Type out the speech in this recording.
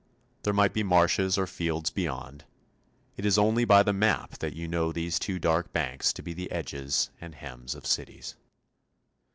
There might be marshes or fields beyond; it is only by the map that you know these two dark banks to be the edges and hems of cities.